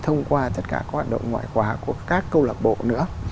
thông qua tất cả các hoạt động ngoại khóa của các câu lạc bộ nữa